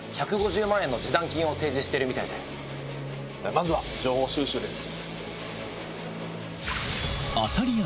まずは情報収集です。